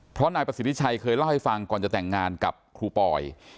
เพราะนายประสิทธิชัยเคยเล่าให้ฟังก่อนจะแต่งงานกับครูปอย